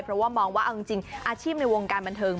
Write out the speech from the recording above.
เพราะว่ามองว่าเอาจริงอาชีพในวงการบันเทิง